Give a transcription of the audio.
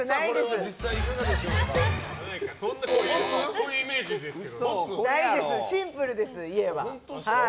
こういうイメージですよ。